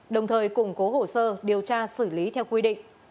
đồng thời củng cố hồ sơ điều tra xử lý theo quy định